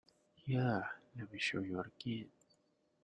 Here, let me show you again.